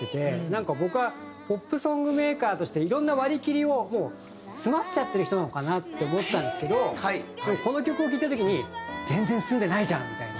なんか僕はポップソングメーカーとしていろんな割り切りをもう済ましちゃってる人なのかな？って思ったんですけどでもこの曲を聴いてる時に全然済んでないじゃん！みたいな。